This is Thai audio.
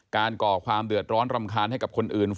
ก่อความเดือดร้อนรำคาญให้กับคนอื่น